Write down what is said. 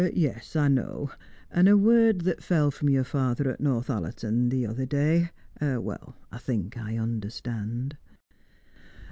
"Yes, I know. And a word that fell from your father at Northallerton the other day I think I understand."